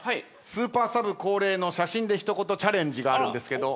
スーパーサブ恒例の写真で一言チャレンジあるんですけど。